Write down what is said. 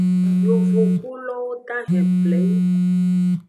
Yovogbulowo dahen pleng.